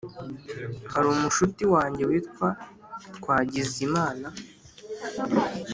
Harumushuti wanjye witwa twagize imana